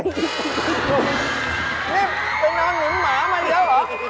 นี่เป็นน้องหลุมหมามาเยอะหรือ